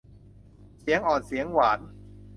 เสียงอ่อนเสียงหวาน